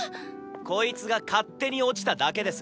こいつが勝手に落ちただけです。